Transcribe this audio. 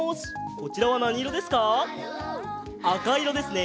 こちらはなにいろですか？